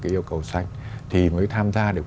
cái yêu cầu sanh thì mới tham gia được